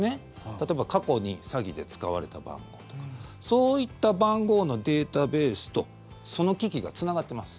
例えば過去に詐欺で使われた番号とかそういった番号のデータベースとその機器がつながっています。